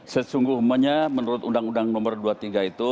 sesungguhnya menurut undang undang nomor dua puluh tiga itu